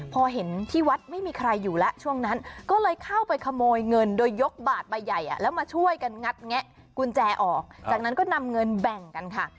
พอเห็นที่วัดไม่มีใครอยู่แล้วช่วงนั้นก็เลยเข้าไปขโมยเงินโดยยกบาดใบใหญ่แล้วมาช่วยกันงัดแงะกุญแจออกจากนั้นก็นำเงินแบ่งกันค่ะ